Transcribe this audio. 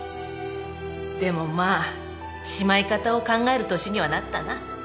でもまあしまい方を考える年にはなったな。